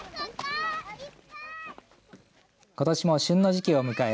ことしも旬の時期を迎え